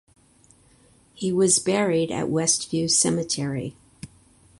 He was buried at West View Cemetery.